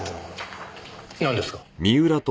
なんですか？